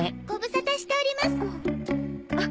あっ。